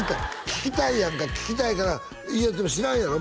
聞きたいやんか聞きたいからいやでも知らんやろ？